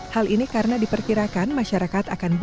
hal ini karena diperkirakan masyarakat akan berbeda